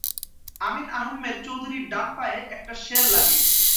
আমীন আহম্মেদ চৌধুরীর ডান পায়ে একটা শেল লাগে।